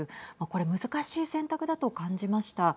これ難しい選択だと感じました。